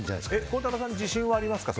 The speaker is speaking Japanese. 孝太郎さん、自信はありますか。